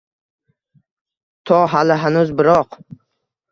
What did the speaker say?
To hali hanuz biroq